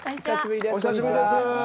お久しぶりです。